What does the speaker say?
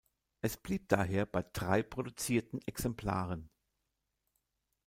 Es blieb daher bei drei produzierten Exemplaren.